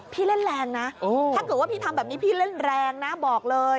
พี่เล่นแรงนะถ้าเกิดว่าพี่ทำแบบนี้พี่เล่นแรงนะบอกเลย